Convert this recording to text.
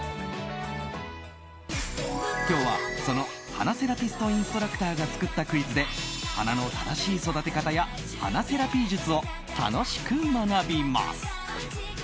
今日は、その花セラピストインストラクターが作ったクイズで花の正しい育て方や花セラピー術を楽しく学びます。